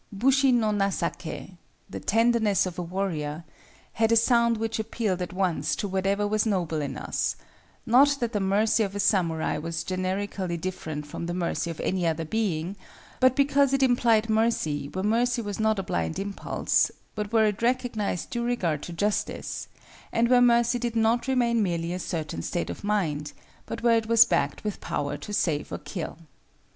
"Bushi no nasaké"—the tenderness of a warrior—had a sound which appealed at once to whatever was noble in us; not that the mercy of a samurai was generically different from the mercy of any other being, but because it implied mercy where mercy was not a blind impulse, but where it recognized due regard to justice, and where mercy did not remain merely a certain state of mind, but where it was backed with power to save or kill.